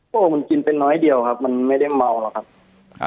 โอ้โหมันกินเป็นน้อยเดียวครับมันไม่ได้เมาหรอกครับ